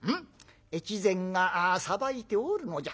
越前が裁いておるのじゃ。